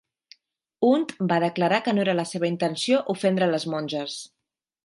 Hunt va declarar que no era la seva intenció ofendre les monges.